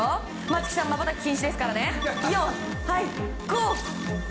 松木さん、まばたき禁止ですよ。